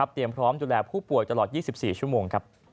พร้อมดูแลผู้ป่วยตลอด๒๔ชั่วโมง